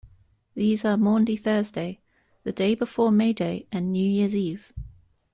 These are Maundy Thursday, the day before May Day and New Year's Eve.